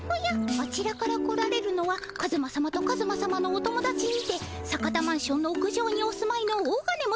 あちらから来られるのはカズマさまとカズマさまのお友だちにて坂田マンションの屋上にお住まいの大金持ち